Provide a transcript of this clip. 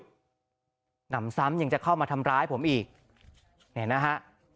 หนำซ้ำยังจะเข้ามาทำร้ายผมอีกเนี่ยนะฮะ